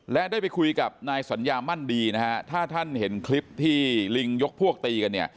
และได้ไปคุยกับนายสัญญามั่นดีนะฮะถ้าท่านเห็นคลิปที่ลิงยกพวกตีกันเนี่ย